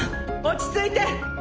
落ち着いて！